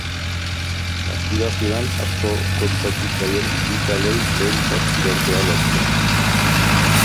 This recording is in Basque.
Partida hasieran asko kosta zitzaien bi taldeei lehen saskiratzea lortzea.